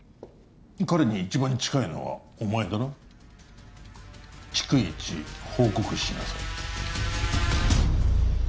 彼に一番近いのはお前だろう逐一報告しなさい